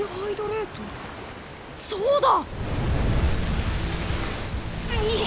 そうだ！